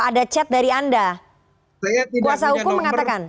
saya saya tidak mencet ke ayah korban mengatakan bahwa ada chat dari anda